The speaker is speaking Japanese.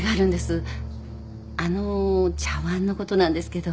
あの茶わんのことなんですけど。